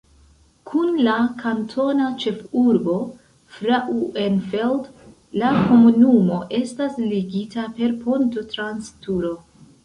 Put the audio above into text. Kun la kantona ĉefurbo Frauenfeld la komunumo estas ligita per ponto trans Turo.